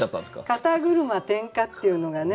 「肩車点火」っていうのがね。